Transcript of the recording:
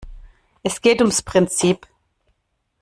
Es geht ums Prinzip.